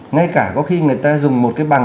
ngay cả có khi người ta dùng một cái bằng